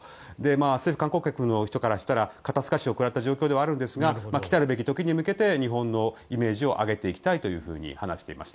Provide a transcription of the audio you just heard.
政府観光局の方からしたら肩透かしを食らった状況では状況ではあったんですが来るべき時に向けて日本のイメージを上げておきたいと話していました。